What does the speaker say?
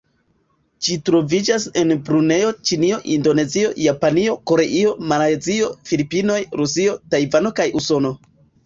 Ĝi troviĝas en Brunejo, Ĉinio, Indonezio, Japanio, Koreio, Malajzio, Filipinoj, Rusio, Tajvano kaj Usono.